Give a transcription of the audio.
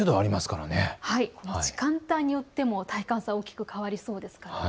時間帯によっても体感差、大きく変わりそうです。